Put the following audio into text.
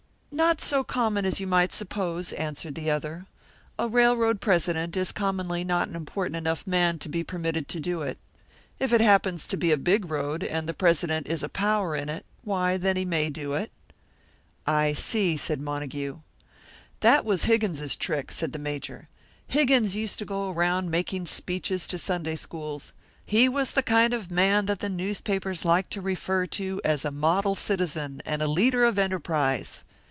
"Not so common as you might suppose," answered the other. "A railroad president is commonly not an important enough man to be permitted to do it. If it happens to be a big road, and the president is a power in it, why, then he may do it." "I see," said Montague. "That was Higgins's trick," said the Major. "Higgins used to go around making speeches to Sunday schools; he was the kind of man that the newspapers like to refer to as a model citizen and a leader of enterprise.